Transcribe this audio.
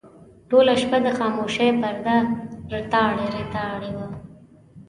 ټوله شپه د خاموشۍ پرده ریتاړې ریتاړې وه.